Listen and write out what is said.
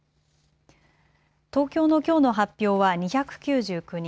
東京のきょうの発表は２９９人。